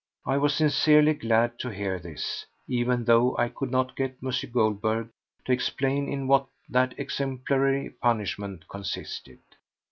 I was sincerely glad to hear this, even though I could not get M. Goldberg to explain in what that exemplary punishment consisted.